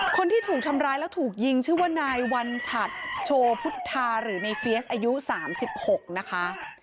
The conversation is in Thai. คนที่ถูกทำร้ายแล้วถูกยิงชื่อว่านายวัญชัดโชพุทธาหรือในเฟียสอายุ๓๖นะคะ